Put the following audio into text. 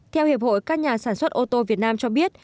theo hiệp hội các nhà sản xuất ô tô việt nam cho biết